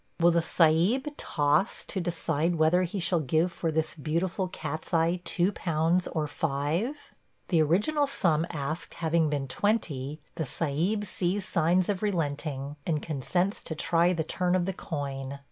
Will the Sahib toss to decide whether he shall give for this beautiful cat's eye two pounds or five? The original sum asked having been twenty, the Sahib sees signs of relenting, and consents to try the turn of the coin.